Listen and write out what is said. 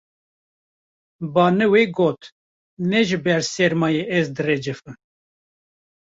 Baniwê got: Ne ji ber sermayê ez direcifim